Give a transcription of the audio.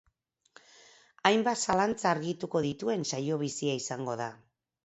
Hainbat zalantza argituko dituen saio bizia izango da.